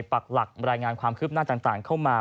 ปักหลักรายงานความคืบหน้าต่างเข้ามา